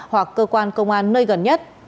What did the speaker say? hoặc cơ quan công an nơi gần nhất